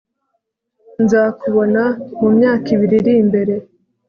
Nzakubona mumyaka ibiri irimbere